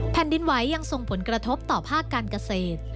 แผ่นดินไหวยังส่งผลกระทบต่อภาคการเกษตร